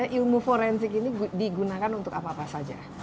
ilmu forensik ini digunakan untuk apa apa saja